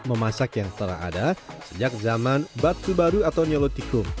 alat memasak yang telah ada sejak zaman batu baru atau nyolotikum